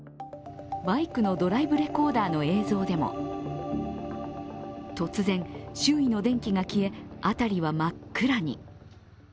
バイクのドライブレコーダーの映像でも、突然、周囲の電気が消え、辺りは真っ暗に。